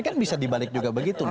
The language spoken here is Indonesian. kan bisa dibalik juga begitu loh